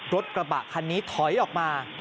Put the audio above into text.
รถกระบะคันนี้ถอยออกมา